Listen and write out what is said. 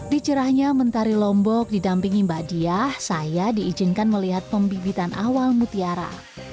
di cerahnya mentari lombok di dampingi mbak diyah saya diizinkan melihat pembibitan awal mutiara